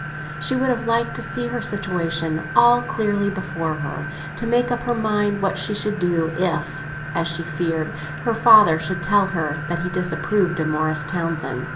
She would have liked to see her situation all clearly before her, to make up her mind what she should do if, as she feared, her father should tell her that he disapproved of Morris Townsend.